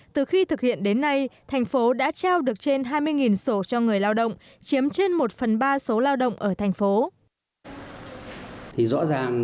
từ khi thực hiện đến nay thành phố đã trao được trên hai mươi sổ cho người lao động chiếm trên một phần ba số lao động ở thành phố